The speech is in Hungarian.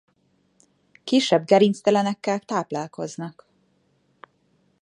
Kisebb gerinctelenekkel táplálkoznak.